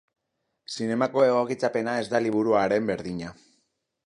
Zinemako egokitzapena ez da liburuaren berdina.